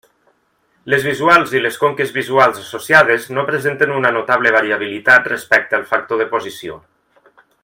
Les visuals i les conques visuals associades no presenten una notable variabilitat respecte al factor de posició.